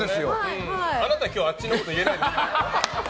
あなた今日あっちのこと言えないですよ。